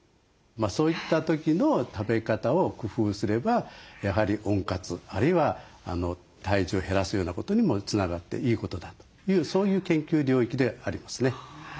そういった時の食べ方を工夫すればやはり温活あるいは体重を減らすようなことにもつながっていいことだというそういう研究領域でありますね。